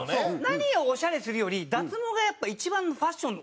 何をオシャレするより脱毛がやっぱり一番のファッション